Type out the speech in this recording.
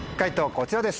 こちらです。